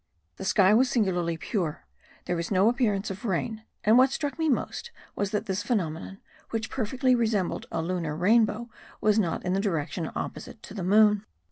The sky was singularly pure; there was no appearance of rain; and what struck me most was that this phenomenon, which perfectly resembled a lunar rainbow, was not in the direction opposite to the moon.